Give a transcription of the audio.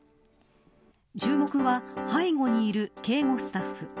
注目は、背後にいる警護スタッフ。